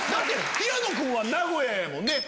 平野君は名古屋やもんね。